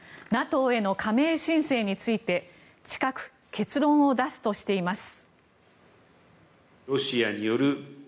ＮＡＴＯへの加盟申請について近く結論を出すとしています。